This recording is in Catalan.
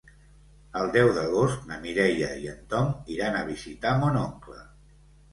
El deu d'agost na Mireia i en Tom iran a visitar mon oncle.